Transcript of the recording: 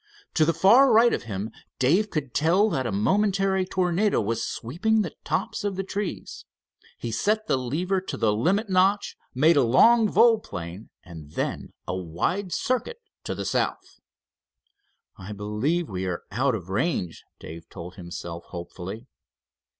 To the far right of him Dave could tell that a momentary tornado was sweeping the tops of the trees. He set the lever to the limit notch, made a long volplane and then a wide circuit to the south. "I believe we are out of range," Dave told himself, hopefully.